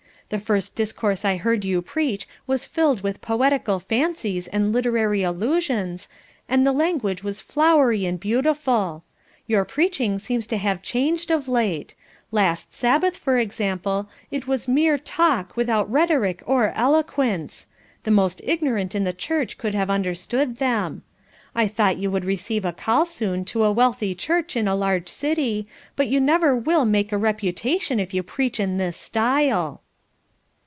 The first discourse I heard you preach was filled with poetical fancies and literary allusions, and the language was flowery and beautiful. Your preaching seems to have changed of late; last Sabbath, for example, it was mere 'talk' without rhetoric or eloquence; the most ignorant in the church could have understood them. I thought you would receive a call soon to a wealthy church in a large city, but you never will make a reputation if you preach in this style."